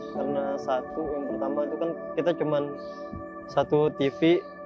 karena satu yang pertama itu kan kita cuma satu tv